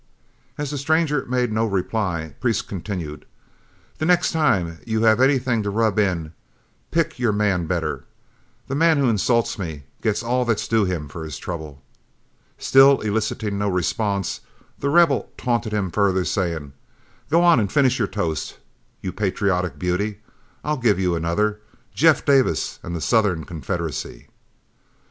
As the stranger made no reply, Priest continued, "The next time you have anything to rub in, pick your man better. The man who insults me'll get all that's due him for his trouble." Still eliciting no response, The Rebel taunted him further, saying, "Go on and finish your toast, you patriotic beauty. I'll give you another: Jeff Davis and the Southern Confederacy."